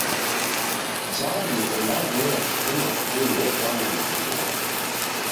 Chari ondaw'uya kufuma skulu opwana na ilagho!